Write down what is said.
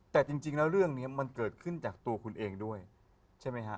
แต่จริงแล้วเรื่องนี้มันเกิดขึ้นจากตัวคุณเองด้วยใช่ไหมฮะ